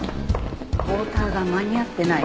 ポーターが間に合ってない。